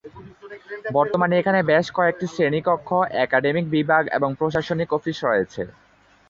বর্তমানে এখানে বেশ কয়েকটি শ্রেণীকক্ষ, একাডেমিক বিভাগ এবং প্রশাসনিক অফিস রয়েছে।